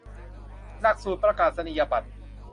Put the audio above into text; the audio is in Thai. หลักสูตรประกาศนียบัตร